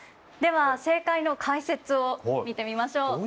では正解の解説を見てみましょう。